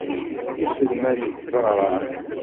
Iselman deg izeɣṛan.